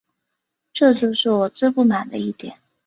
这就是我最不满的一点